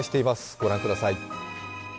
ご覧ください。